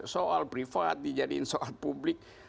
soal privat dijadiin soal publik